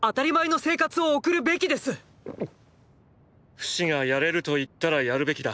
フシがやれると言ったらやるべきだ。